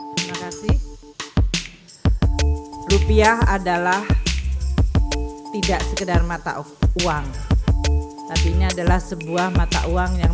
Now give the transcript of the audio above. terima kasih rupiah adalah tidak sekedar mata uang tapi ini adalah sebuah mata uang yang